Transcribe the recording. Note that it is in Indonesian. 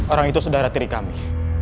orang itu saudara tiri kami